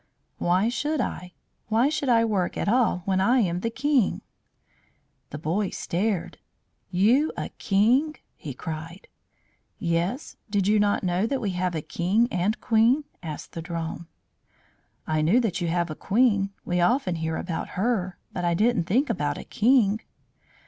"Why should I? Why should I work at all when I am the King?" The boy stared. "You a King!" he cried "Yes. Did you not know that we have a King and Queen?" asked the Drone. "I knew that you have a Queen; we often hear about her. But I didn't think about a King."